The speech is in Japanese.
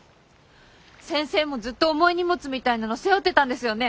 先生もずっと重い荷物みたいなの背負ってたんですよね？